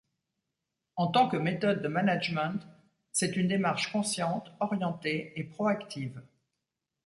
En tant que méthode de management, c'est une démarche consciente, orientée et proactive.